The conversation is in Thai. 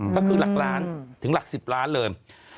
ก็คือหลักล้านถึงหลัก๑๐ล้านเลย